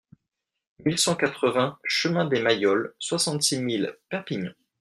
mille cent quatre-vingts chemin de Mailloles, soixante-six mille Perpignan